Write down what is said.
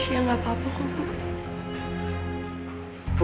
aisyah nggak bapuk bu